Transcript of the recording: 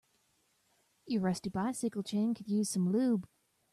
Your rusty bicycle chain could use some lube.